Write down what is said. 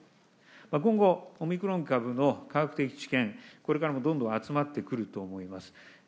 今後、オミクロン株の科学的知見、これからもどんどん集まってくると思います。